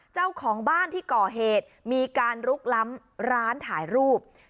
เจ้าของบ้านที่ก่อเหตุมีการลุกล้ำร้านถ่ายรูป